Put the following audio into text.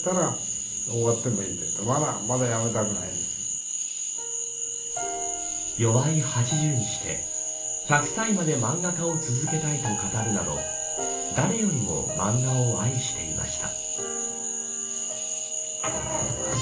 齢８０にして１００歳まで漫画家を続けたいと語るなどを誰よりも漫画を愛していました。